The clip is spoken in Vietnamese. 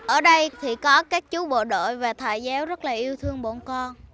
ở đây thì có các chú bộ đội và thầy giáo rất là yêu thương bọn con